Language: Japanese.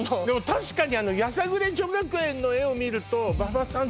確かにやさぐれ女学院の画を見ると馬場さん